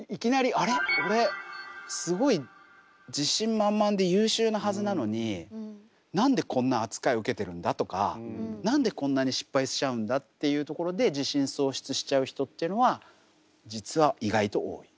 俺すごい自信満々で優秀なはずなのに何でこんな扱い受けてるんだ？とか何でこんなに失敗しちゃうんだ？っていうところで自信喪失しちゃう人っていうのは実は意外と多い。